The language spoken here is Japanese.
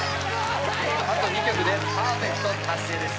あと２曲でパーフェクト達成です